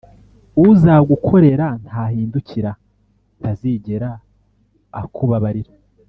uzagukorera i! ndahindukira ntazigera akubabarira.